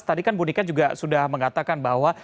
tadi kan bu nika juga sudah mengatakan bahwa